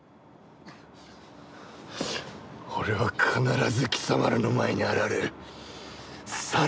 俺は必ず貴様らの前に現れる！